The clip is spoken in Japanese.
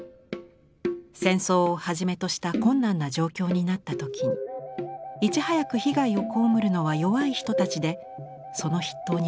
「戦争を始めとした困難な状況になった時にいちはやく被害を被るのは弱い人たちでその筆頭に子供がいる。